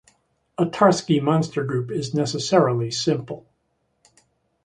A Tarski monster group is necessarily simple.